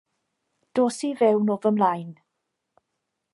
Dos i fewn o fy mlaen.